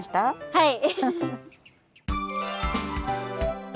はい！